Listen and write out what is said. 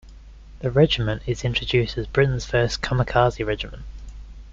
The regiment is introduced as Britain's first "Kamikaze Regiment".